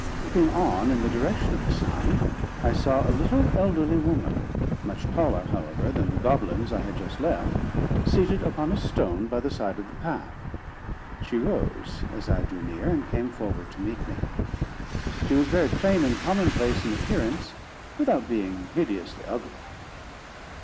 Looking on in the direction of the sound, I saw a little elderly woman, much taller, however, than the goblins I had just left, seated upon a stone by the side of the path. She rose, as I drew near, and came forward to meet me. She was very plain and commonplace in appearance, without being hideously ugly.